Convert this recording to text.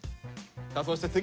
さあそして次！